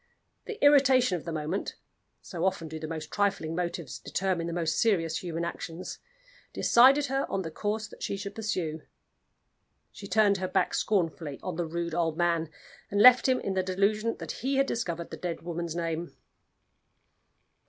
The irritation of the moment so often do the most trifling motives determine the most serious human actions decided her on the course that she should pursue. She turned her back scornfully on the rude old man, and left him in the delusion that he had discovered the dead woman's name.